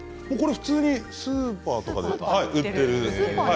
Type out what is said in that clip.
普通にスーパーとかに売っている。